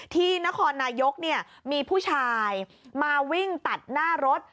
ที่นครนายกมีผู้ชายมาวิ่งตัดหน้ารถ